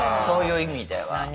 そういう意味では。